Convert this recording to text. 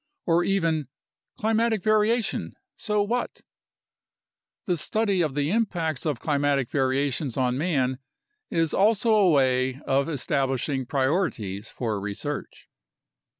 or even "Climatic variation: so what?" The study of the impacts of climatic variations on man is also a way of establishing priorities for research.